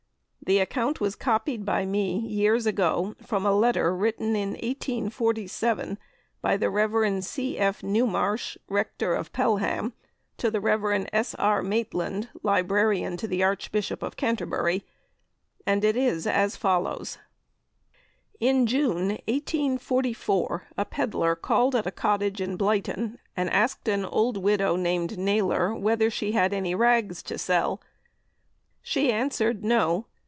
The account was copied by me years ago from a letter written in 1847, by the Rev. C. F. Newmarsh, Rector of Pelham, to the Rev. S. R. Maitland, Librarian to the Archbishop of Canterbury, and is as follows: "In June, 1844, a pedlar called at a cottage in Blyton and asked an old widow, named Naylor, whether she had any rags to sell. She answered, No!